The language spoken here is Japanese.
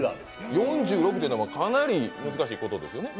４６っていうのはかなり難しいことですよね。